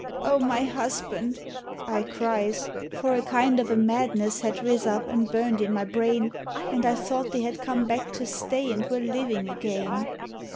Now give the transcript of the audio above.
O my husband," I cries, For a kind of a madness had riz up an' burned in my brain, An' I thought they had come back to stay an' were livin' again.